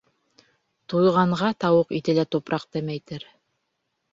Туйғанға тауыҡ ите лә тупраҡ тәмәйтер.